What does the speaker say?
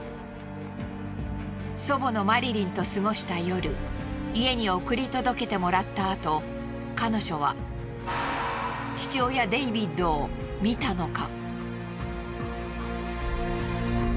祖母のマリリンと過ごした夜家に送り届けてもらったあと彼女は父親デイビッドを見たのか？